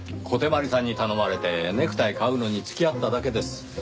小手鞠さんに頼まれてネクタイ買うのに付き合っただけです。